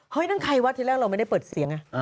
ไหนวะที่แรกเราไม่ได้เปิดเสียง